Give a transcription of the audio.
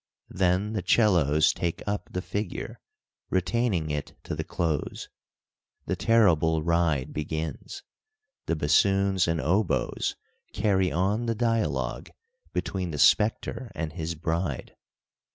Then the 'cellos take up the figure, retaining it to the close. The terrible ride begins. The bassoons and oboes carry on the dialogue between the spectre and his bride.